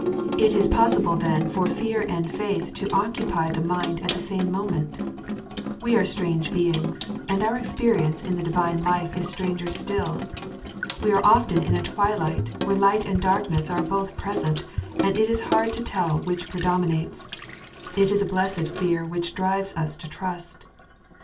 " It is possible, then, for fear and faith to occupy the mind at the siune moment. We are strange beings, and our experience in the divine life is stranger still. We are often in a twilight, where light and darkness are both present, and it is hard to tell which predominates. It is a blessed fear which drives us to trust.